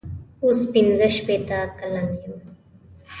اوس پنځه شپېته کلن یم.